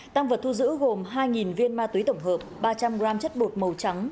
tăng vật thu giữ gồm hai viên ma túy tổng hợp ba trăm linh g chất bột màu trắng